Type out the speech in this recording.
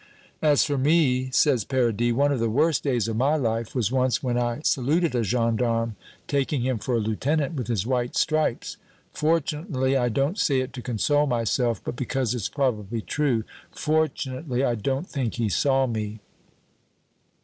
'" "As for me," says Paradis, "one of the worst days of my life was once when I saluted a gendarme, taking him for a lieutenant, with his white stripes. Fortunately I don't say it to console myself, but because it's probably true fortunately, I don't think he saw me."